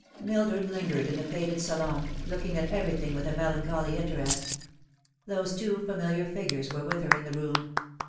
Mildred lingered in the faded salon, looking at everything with a melancholy interest. Those two familiar figures were with her in the room.